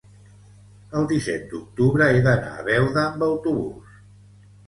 el disset d'octubre he d'anar a Beuda amb autobús.